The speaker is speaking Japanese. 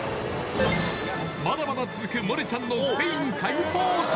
まだまだ続く萌音ちゃんのスペイン解放旅！